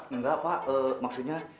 enggak pak maksudnya